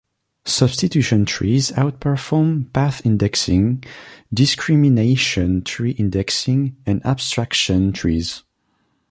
Substitution trees outperform path indexing, discrimination tree indexing, and abstraction trees.